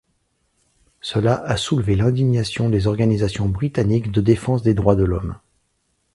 Cela a soulevé l'indignation des organisations britannique de défense des droits de l'homme.